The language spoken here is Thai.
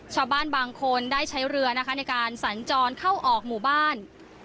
ชาวบ้านบางคนได้ใช้เรือนะคะในการสัญจรเข้าออกหมู่บ้าน